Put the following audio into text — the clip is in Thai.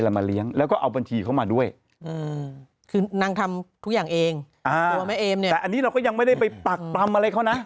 มาเลี้ยงแล้วก็เอาบัญชีเขามาด้วยคือนางทำทุกอย่างเองตัวแม่เอมเนี่ยแต่อันนี้เราก็ยังไม่ได้ไปปักปรำอะไรเขานะ